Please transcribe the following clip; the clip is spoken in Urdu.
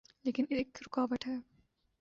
لیکن ایک رکاوٹ ہے۔